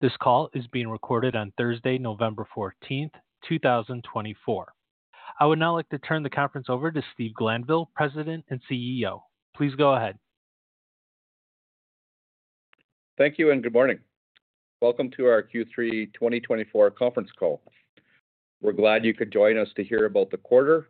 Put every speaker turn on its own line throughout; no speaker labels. This call is being recorded on Thursday, November 14th, 2024. I would now like to turn the conference over to Steve Glanville, President and CEO. Please go ahead.
Thank you and good morning. Welcome to our Q3 2024 Conference Call. We're glad you could join us to hear about the quarter,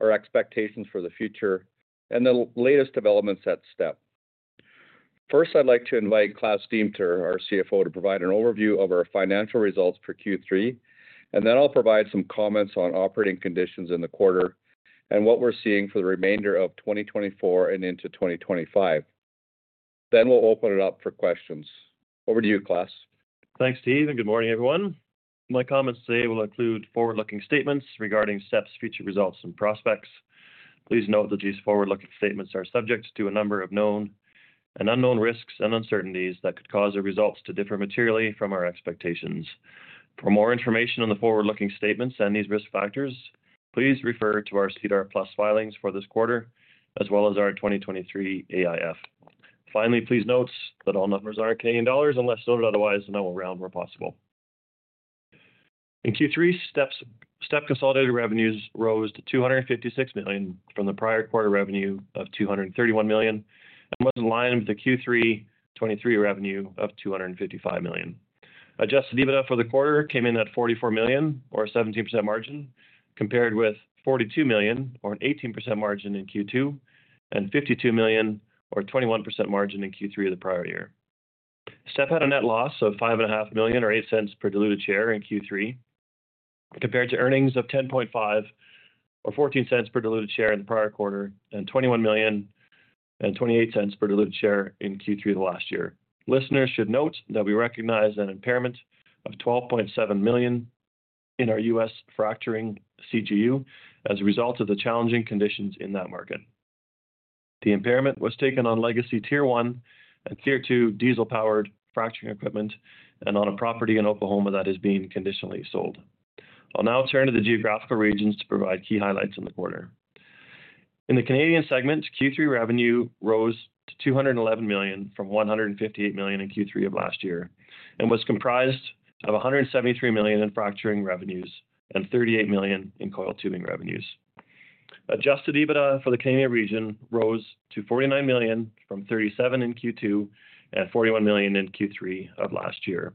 our expectations for the future, and the latest developments at STEP. First, I'd like to invite Klaas Deemter, our CFO, to provide an overview of our financial results for Q3, and then I'll provide some comments on operating conditions in the quarter and what we're seeing for the remainder of 2024 and into 2025. Then we'll open it up for questions. Over to you, Klaas.
Thanks, Steve, and good morning, everyone. My comments today will include forward-looking statements regarding STEP's future results and prospects. Please note that these forward-looking statements are subject to a number of known and unknown risks and uncertainties that could cause our results to differ materially from our expectations. For more information on the forward-looking statements and these risk factors, please refer to our SEDAR+ filings for this quarter, as well as our 2023 AIF. Finally, please note that all numbers are in Canadian dollars unless noted otherwise, and I will round where possible. In Q3, STEP consolidated revenues rose to 256 million from the prior quarter revenue of 231 million and was in line with the Q3 2023 revenue of 255 million. Adjusted EBITDA for the quarter came in at 44 million, or a 17% margin, compared with 42 million, or an 18% margin in Q2, and 52 million, or a 21% margin in Q3 of the prior year. STEP had a net loss of 5.5 million, or 0.08 per diluted share in Q3, compared to earnings of 10.5, or 0.14 per diluted share in the prior quarter, and 21 million and .28 per diluted share in Q3 of the last year. Listeners should note that we recognize an impairment of 12.7 million in our U.S. fracturing CGU as a result of the challenging conditions in that market. The impairment was taken on legacy Tier 1 and Tier 2 diesel-powered fracturing equipment and on a property in Oklahoma that is being conditionally sold. I'll now turn to the geographical regions to provide key highlights in the quarter. In the Canadian segment, Q3 revenue rose to 211 million from 158 million in Q3 of last year and was comprised of 173 million in fracturing revenues and 38 million in coiled tubing revenues. Adjusted EBITDA for the Canadian region rose to 49 million from 37 million in Q2 and 41 million in Q3 of last year,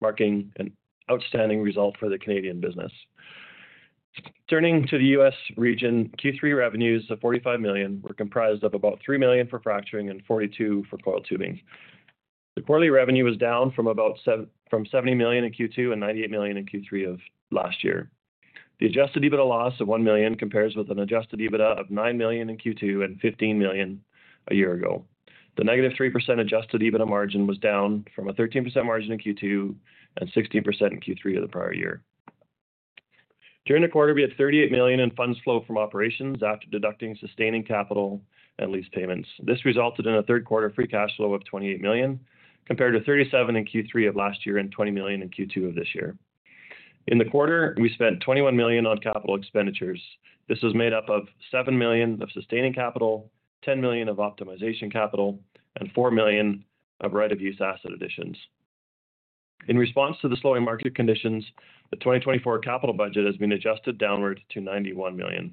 marking an outstanding result for the Canadian business. Turning to the U.S. region, Q3 revenues of 45 million were comprised of about 3 million for fracturing and 42 million for coiled tubing. The quarterly revenue was down from about 70 million in Q2 and 98 million in Q3 of last year. The adjusted EBITDA loss of 1 million compares with an adjusted EBITDA of 9 million in Q2 and 15 million a year ago. The -3% Adjusted EBITDA margin was down from a 13% margin in Q2 and 16% in Q3 of the prior year. During the quarter, we had 38 million in funds flow from operations after deducting sustaining capital and lease payments. This resulted in a third-quarter free cash flow of 28 million, compared to 37 million in Q3 of last year and 20 million in Q2 of this year. In the quarter, we spent 21 million on capital expenditures. This was made up of 7 million of sustaining capital, 10 million of optimization capital, and 4 million of right-of-use asset additions. In response to the slowing market conditions, the 2024 capital budget has been adjusted downward to 91 million.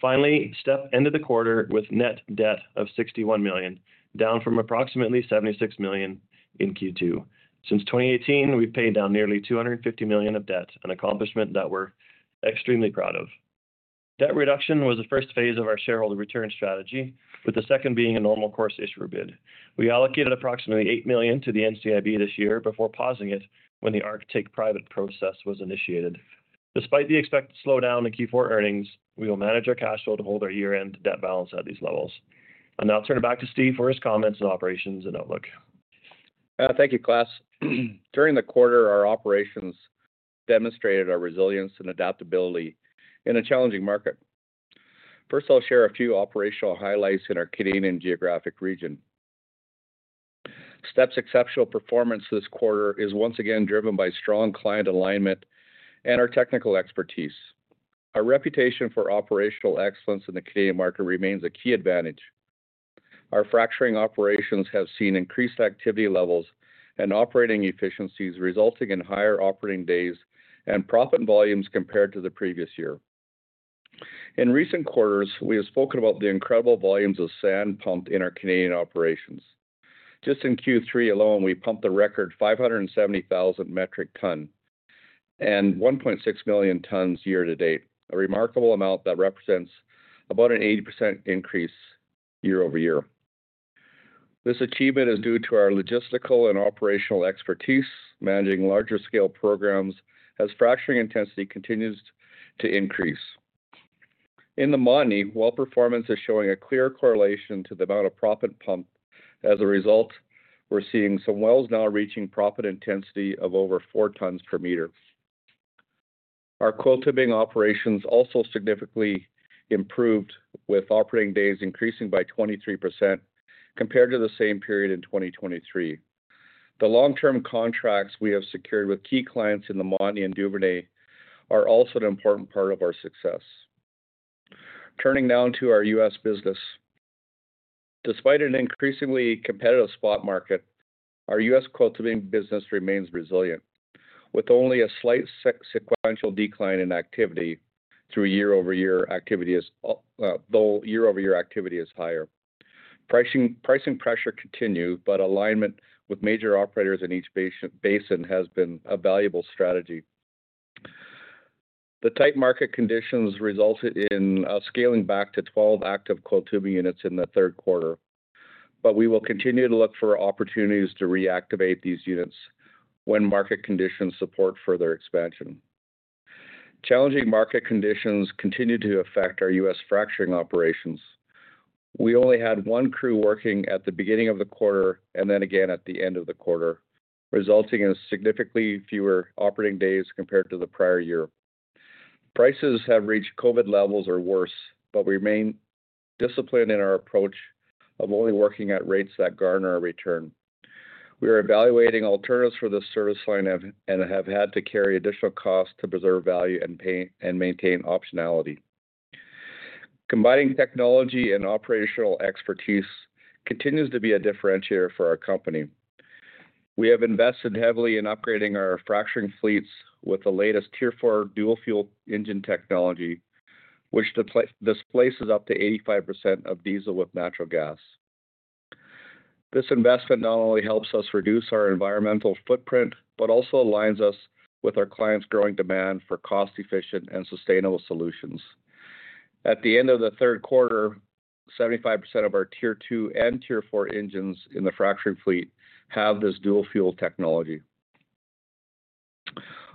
Finally, STEP ended the quarter with net debt of 61 million, down from approximately 76 million in Q2. Since 2018, we've paid down nearly 250 million of debt, an accomplishment that we're extremely proud of. Debt reduction was the first phase of our shareholder return strategy, with the second being a normal-course issuer bid. We allocated approximately 8 million to the NCIB this year before pausing it when the ARC private process was initiated. Despite the expected slowdown in Q4 earnings, we will manage our cash flow to hold our year-end debt balance at these levels, and now I'll turn it back to Steve for his comments on operations and outlook.
Thank you, Klaas. During the quarter, our operations demonstrated our resilience and adaptability in a challenging market. First, I'll share a few operational highlights in our Canadian geographic region. STEP's exceptional performance this quarter is once again driven by strong client alignment and our technical expertise. Our reputation for operational excellence in the Canadian market remains a key advantage. Our fracturing operations have seen increased activity levels and operating efficiencies, resulting in higher operating days and proppant volumes compared to the previous year. In recent quarters, we have spoken about the incredible volumes of sand pumped in our Canadian operations. Just in Q3 alone, we pumped a record 570,000 metric tons and 1.6 million tons year-to-date, a remarkable amount that represents about an 80% increase year-over-year. This achievement is due to our logistical and operational expertise managing larger-scale programs as fracturing intensity continues to increase. In the month, well performance is showing a clear correlation to the amount of proppant pumped. As a result, we're seeing some wells now reaching proppant intensity of over four tons per meter. Our coiled tubing operations also significantly improved, with operating days increasing by 23% compared to the same period in 2023. The long-term contracts we have secured with key clients in the Montney and Duvernay are also an important part of our success. Turning now to our U.S. business. Despite an increasingly competitive spot market, our U.S. coiled tubing business remains resilient, with only a slight sequential decline in activity through year-over-year activity, though year-over-year activity is higher. Pricing pressure continues, but alignment with major operators in each basin has been a valuable strategy. The tight market conditions resulted in scaling back to 12 active coiled tubing units in the third quarter, but we will continue to look for opportunities to reactivate these units when market conditions support further expansion. Challenging market conditions continue to affect our U.S. fracturing operations. We only had one crew working at the beginning of the quarter and then again at the end of the quarter, resulting in significantly fewer operating days compared to the prior year. Prices have reached COVID levels or worse, but we remain disciplined in our approach of only working at rates that garner a return. We are evaluating alternatives for this service line and have had to carry additional costs to preserve value and maintain optionality. Combining technology and operational expertise continues to be a differentiator for our company. We have invested heavily in upgrading our fracturing fleets with the latest Tier 4 dual-fuel engine technology, which displaces up to 85% of diesel with natural gas. This investment not only helps us reduce our environmental footprint, but also aligns us with our clients' growing demand for cost-efficient and sustainable solutions. At the end of the third quarter, 75% of our Tier 2 and Tier 4 engines in the fracturing fleet have this dual-fuel technology.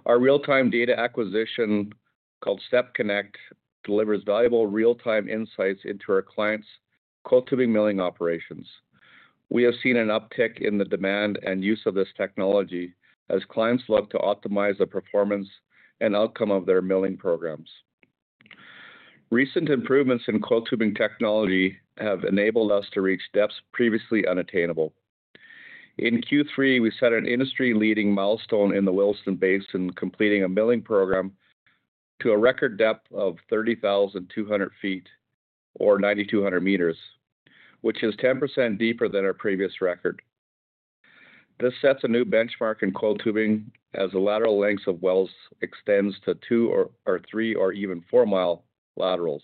Our real-time data acquisition called STEP Connect delivers valuable real-time insights into our clients' coiled tubing milling operations. We have seen an uptick in the demand and use of this technology as clients look to optimize the performance and outcome of their milling programs. Recent improvements in coiled tubing technology have enabled us to reach depths previously unattainable. In Q3, we set an industry-leading milestone in the Williston Basin completing a milling program to a record depth of 30,200 feet, or 9,200 meters, which is 10% deeper than our previous record. This sets a new benchmark in coiled tubing as the lateral lengths of wells extend to two or three or even four-mile laterals.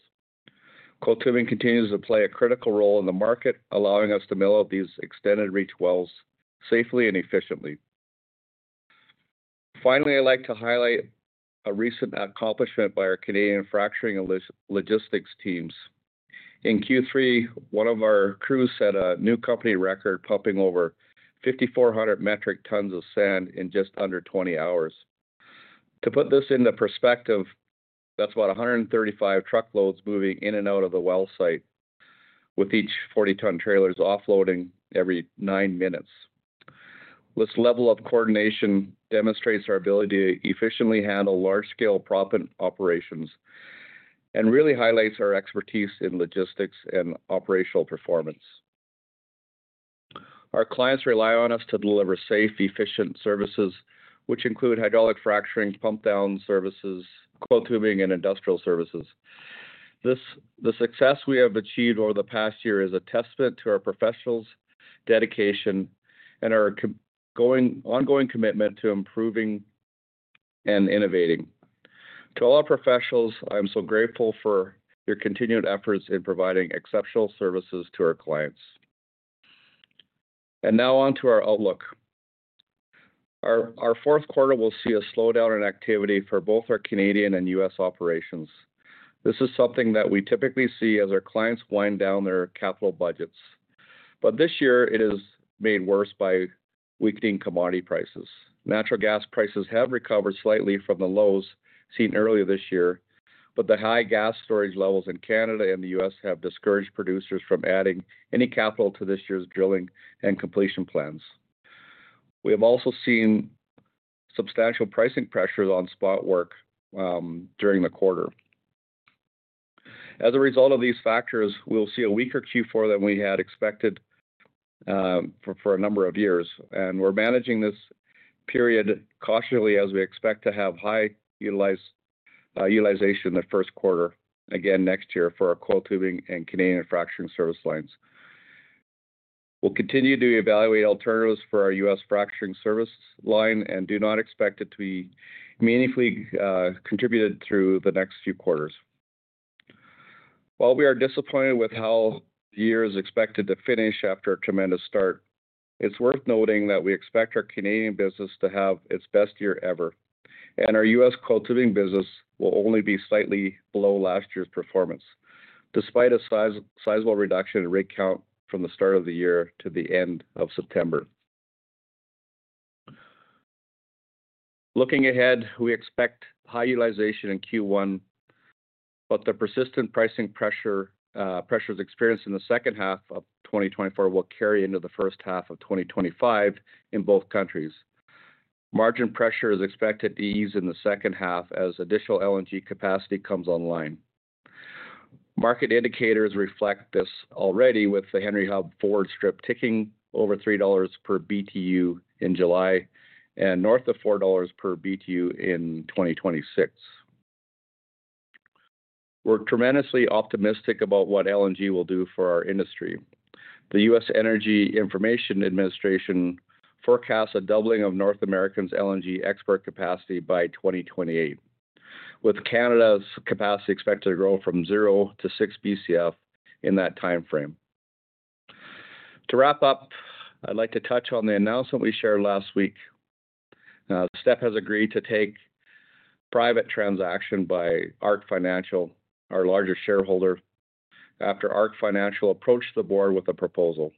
Coiled tubing continues to play a critical role in the market, allowing us to mill these extended-reach wells safely and efficiently. Finally, I'd like to highlight a recent accomplishment by our Canadian fracturing logistics teams. In Q3, one of our crews set a new company record, pumping over 5,400 metric tons of sand in just under 20 hours. To put this into perspective, that's about 135 truckloads moving in and out of the well site, with each 40-ton trailer offloading every nine minutes. This level of coordination demonstrates our ability to efficiently handle large-scale proppant operations and really highlights our expertise in logistics and operational performance. Our clients rely on us to deliver safe, efficient services, which include hydraulic fracturing, pump-down services, coiled tubing, and industrial services. The success we have achieved over the past year is a testament to our professionals' dedication and our ongoing commitment to improving and innovating. To all our professionals, I'm so grateful for your continued efforts in providing exceptional services to our clients. And now on to our outlook. Our fourth quarter will see a slowdown in activity for both our Canadian and U.S. operations. This is something that we typically see as our clients wind down their capital budgets. But this year, it is made worse by weakening commodity prices. Natural gas prices have recovered slightly from the lows seen earlier this year, but the high gas storage levels in Canada and the U.S. have discouraged producers from adding any capital to this year's drilling and completion plans. We have also seen substantial pricing pressures on spot work during the quarter. As a result of these factors, we'll see a weaker Q4 than we had expected for a number of years, and we're managing this period cautiously as we expect to have high utilization the first quarter, again next year, for our coil tubing and Canadian fracturing service lines. We'll continue to evaluate alternatives for our U.S. fracturing service line and do not expect it to be meaningfully contributed through the next few quarters. While we are disappointed with how the year is expected to finish after a tremendous start, it's worth noting that we expect our Canadian business to have its best year ever, and our U.S. coil tubing business will only be slightly below last year's performance, despite a sizable reduction in rig count from the start of the year to the end of September. Looking ahead, we expect high utilization in Q1, but the persistent pricing pressures experienced in the second half of 2024 will carry into the first half of 2025 in both countries. Margin pressure is expected to ease in the second half as additional LNG capacity comes online. Market indicators reflect this already, with the Henry Hub forward strip ticking over $3 per BTU in July and north of $4 per BTU in 2026. We're tremendously optimistic about what LNG will do for our industry. The U.S. Energy Information Administration forecasts a doubling of North America's LNG export capacity by 2028, with Canada's capacity expected to grow from zero to six BCF in that timeframe. To wrap up, I'd like to touch on the announcement we shared last week. STEP has agreed to a take-private transaction by ARC Financial, our largest shareholder, after ARC Financial approached the board with a proposal.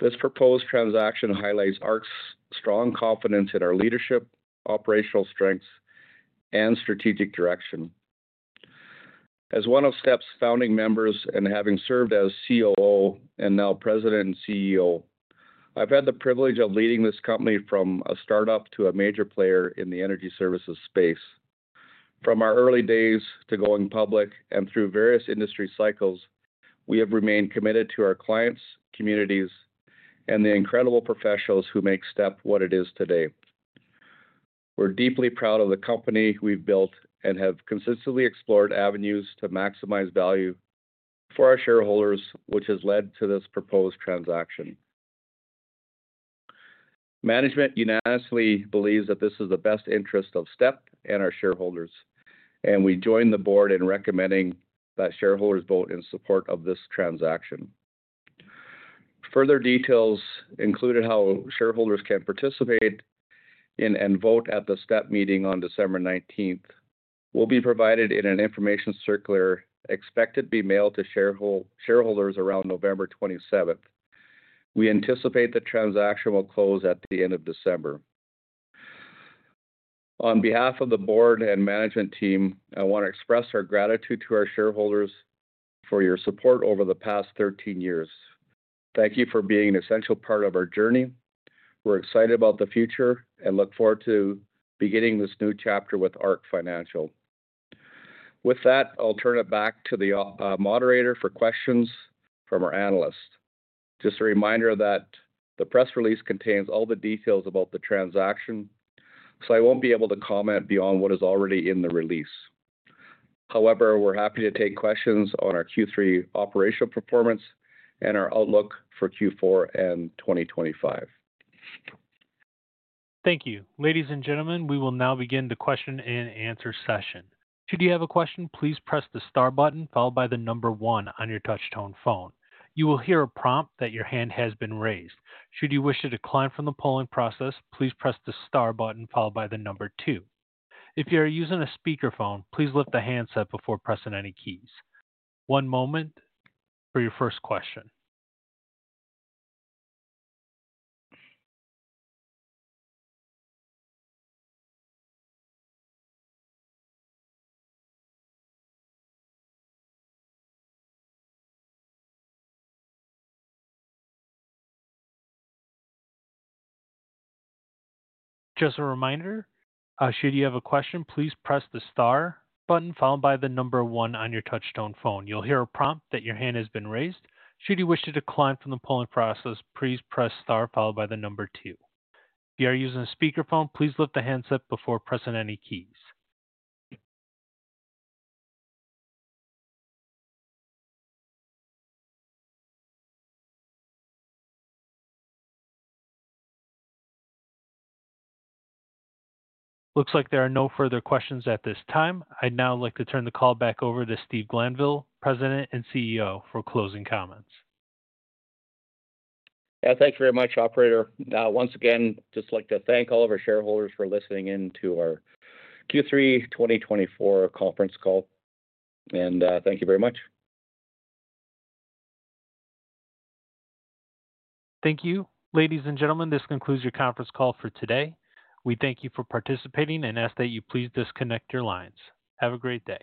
This proposed transaction highlights ARC's strong confidence in our leadership, operational strengths, and strategic direction. As one of STEP's founding members and having served as COO and now President and CEO, I've had the privilege of leading this company from a startup to a major player in the energy services space. From our early days to going public and through various industry cycles, we have remained committed to our clients, communities, and the incredible professionals who make STEP what it is today. We're deeply proud of the company we've built and have consistently explored avenues to maximize value for our shareholders, which has led to this proposed transaction. Management unanimously believes that this is the best interest of STEP and our shareholders, and we join the board in recommending that shareholders vote in support of this transaction. Further details, including how shareholders can participate in and vote at the STEP meeting on December 19th, will be provided in an information circular expected to be mailed to shareholders around November 27th. We anticipate the transaction will close at the end of December. On behalf of the board and management team, I want to express our gratitude to our shareholders for your support over the past 13 years. Thank you for being an essential part of our journey. We're excited about the future and look forward to beginning this new chapter with ARC Financial. With that, I'll turn it back to the moderator for questions from our analyst. Just a reminder that the press release contains all the details about the transaction, so I won't be able to comment beyond what is already in the release. However, we're happy to take questions on our Q3 operational performance and our outlook for Q4 and 2025.
Thank you. Ladies and gentlemen, we will now begin the question and answer session. Should you have a question, please press the star button followed by the number one on your touch-tone phone. You will hear a prompt that your hand has been raised. Should you wish to decline from the polling process, please press the star button followed by the number two. If you are using a speakerphone, please lift the handset before pressing any keys. One moment for your first question. Just a reminder, should you have a question, please press the star button followed by the number one on your touch-tone phone. You'll hear a prompt that your hand has been raised. Should you wish to decline from the polling process, please press star followed by the number two. If you are using a speakerphone, please lift the handset before pressing any keys. Looks like there are no further questions at this time. I'd now like to turn the call back over to Steve Glanville, President and CEO, for closing comments.
Yeah, thank you very much, Operator. Once again, just like to thank all of our shareholders for listening in to our Q3 2024 conference call, and thank you very much.
Thank you. Ladies and gentlemen, this concludes your conference call for today. We thank you for participating and ask that you please disconnect your lines. Have a great day.